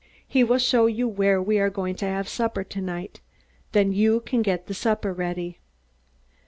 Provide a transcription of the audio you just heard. He will show you where we are going to have supper tonight. Then you can get the supper ready."